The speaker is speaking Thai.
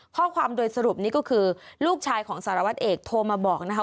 ข้อความโดยสรุปนี้ก็คือลูกชายของสารวัตรเอกโทรมาบอกนะคะ